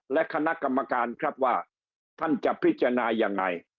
และคณะกรรมการครับว่าท่านจะพิจารณายังไง